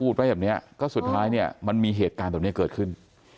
แบบนี้ก็สุดท้ายเนี่ยมันมีเหตุการณ์แบบนี้เกิดขึ้น